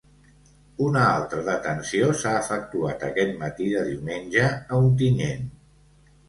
Una altra detenció s’ha efectuat aquest matí de diumenge a Ontinyent.